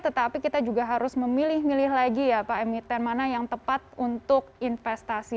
tetapi kita juga harus memilih milih lagi ya pak emiten mana yang tepat untuk investasi